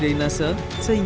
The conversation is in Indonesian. saat kita sampai rumah ini